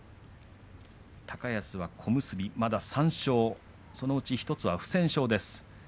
高安は小結、まだ３勝そのうち１つは不戦勝です。